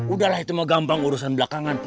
udahlah itu mau gampang urusan belakangan